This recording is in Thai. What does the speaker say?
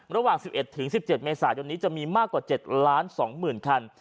ระหว่าง๑๑๑๑๗เมษายนนี้จะมีมากกว่า๗๒๐๐๐คัน